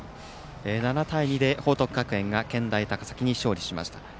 ７対２で報徳学園が健大高崎に勝利しました。